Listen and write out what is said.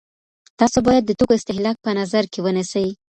تاسو باید د توکو استهلاک په نظر کي ونیسئ.